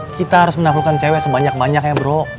kita harus menaklukkan cewek sebanyak banyak ya bro